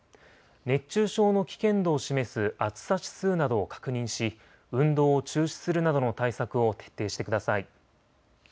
熱中症の危険度を示す暑さ指数などを確認し運動を中止するなどの対策を徹底してください。